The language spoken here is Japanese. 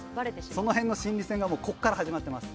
その辺の心理戦がここから始まっています。